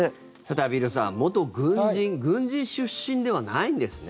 畔蒜さん、元軍人軍人出身ではないんですね？